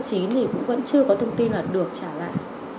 thì cũng vẫn chưa có thông tin là được trả lại